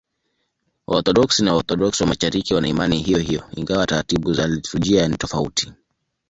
Waorthodoksi na Waorthodoksi wa Mashariki wana imani hiyohiyo, ingawa taratibu za liturujia ni tofauti.